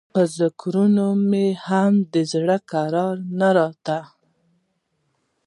په ذکرونو مې هم د زړه کرار نه راته.